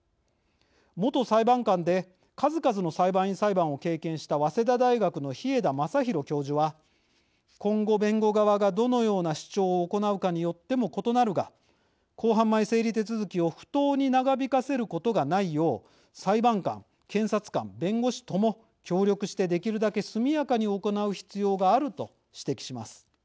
元裁判官で数々の裁判員裁判を経験した早稲田大学の稗田雅洋教授は「今後弁護側がどのような主張を行うかによっても異なるが公判前整理手続きを不当に長引かせることがないよう裁判官検察官弁護士とも協力してできるだけ速やかに行う必要がある」と指摘します。